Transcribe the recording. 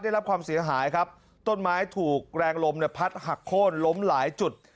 ได้รับความเสียหายครับต้นไม้ถูกแรงลมเนี่ยพัดหักโค้นล้มหลายจุด